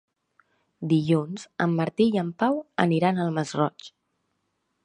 Dilluns en Martí i en Pau aniran al Masroig.